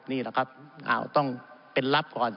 นี่นะครับอ้าวต้องเป็นลับก่อน